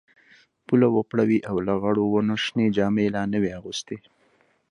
پوله وپړه وې او لغړو ونو شنې جامې لا نه وې اغوستي.